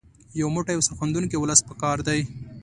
یو موټی او سرښندونکی ولس په کار دی.